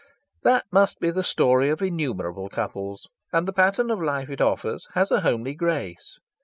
That must be the story of innumerable couples, and the pattern of life it offers has a homely grace.